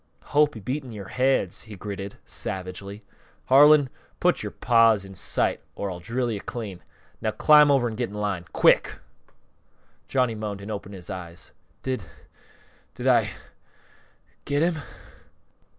"Hope he beat in yore heads!" he gritted, savagely. "Harlan, put yore paws up in sight or I'll drill you clean! Now climb over an' get in line quick!" Johnny moaned and opened his eyes. "Did did I get him?"